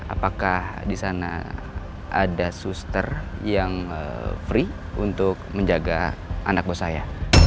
apakah di sana ada suster yang free untuk menjaga anak bos saya